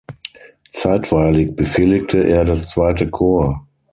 Zeitweilig befehligte er das zweite Korps.